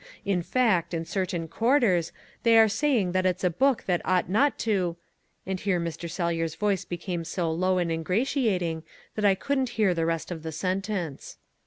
In fact, in certain quarters, they are saying that it's a book that ought not to " And here Mr. Sellyer's voice became so low and ingratiating that I couldn't hear the rest of the sentence.